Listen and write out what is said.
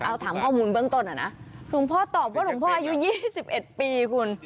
เอาถามข้อมูลเบื้องต้นอ่ะนะหลวงพ่อตอบว่าหลวงพ่ออายุ๒๑ปีคุณ